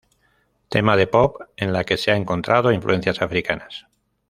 Tema de pop, en la que se han encontrado influencias africanas.